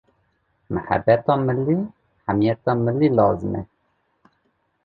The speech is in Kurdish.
mihebeta millî, hemiyeta millî lazim e.